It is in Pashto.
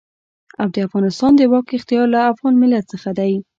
او د افغانستان د واک اختيار له افغان ملت څخه دی.